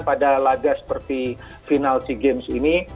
pada laga seperti final sea games ini